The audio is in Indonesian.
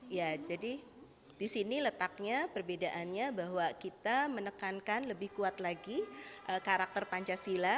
ya jadi di sini letaknya perbedaannya bahwa kita menekankan lebih kuat lagi karakter pancasila